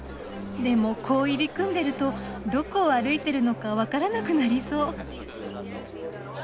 でもこう入り組んでるとどこを歩いてるのか分からなくなりそう。